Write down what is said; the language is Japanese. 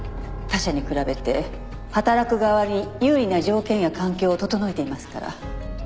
他社に比べて働く側に有利な条件や環境を整えていますから。